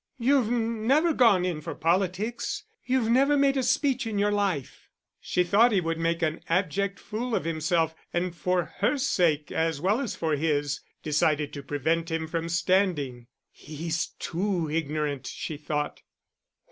"You've never gone in for politics; you've never made a speech in your life." She thought he would make an abject fool of himself, and for her sake, as well as for his, decided to prevent him from standing. "He's too ignorant!" she thought.